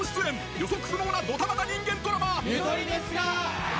予測不能なドタバタ人間ドラマ。